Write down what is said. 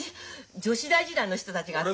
女子大時代の人たちが集ま。